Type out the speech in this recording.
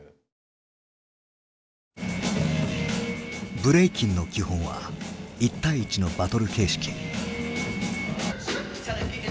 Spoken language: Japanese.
ブレイキンの基本は１対１のバトル形式。